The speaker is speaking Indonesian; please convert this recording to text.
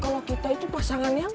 kalau kita itu pasangannya